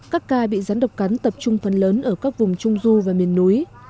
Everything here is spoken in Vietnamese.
các ca bị rắn độc cắn tập trung phần lớn ở các vùng trung du và miền núi